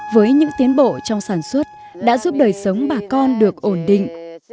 với những tiến bộ trong sản xuất đã giúp đời sống bà con được ổn định